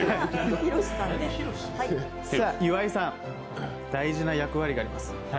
岩井さん、大事な役割があります。